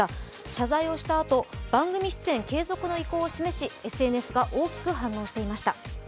謝罪をしたあと、番組出演継続の意向を示しＳＮＳが大きく反応していました。